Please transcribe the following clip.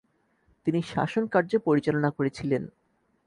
তিনি শাসনকার্য পরিচালনা করেছিলেন।